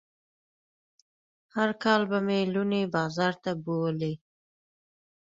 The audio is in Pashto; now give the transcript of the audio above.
هر کال به مې لوڼې بازار ته بوولې.